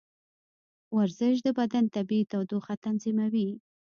ورزش د بدن طبیعي تودوخه تنظیموي.